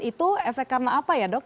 itu efek karena apa ya dok